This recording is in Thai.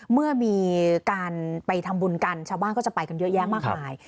เมื่อมีการไปทำบุญกันชาวบ้านก็จะไปกันเยอะแยะมากมาย